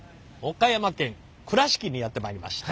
岡山県倉敷にやって参りました。